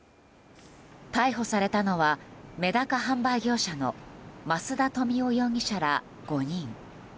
逮捕されたのはメダカ販売業者の増田富男容疑者ら５人。